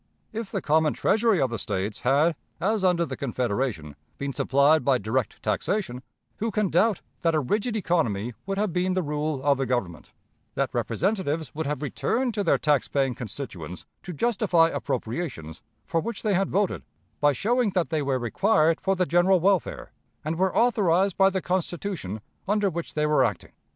If the common Treasury of the States had, as under the Confederation, been supplied by direct taxation, who can doubt that a rigid economy would have been the rule of the Government; that representatives would have returned to their tax paying constituents to justify appropriations for which they had voted by showing that they were required for the general welfare, and were authorized by the Constitution under which they were acting?